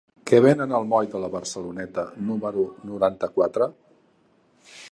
Què venen al moll de la Barceloneta número noranta-quatre?